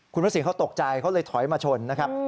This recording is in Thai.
คุณพระสินเขาตกใจเขาเลยถอยมาชนนะครับ